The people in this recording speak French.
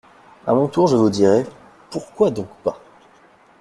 À mon tour, je vous dirai : Pourquoi donc pas ?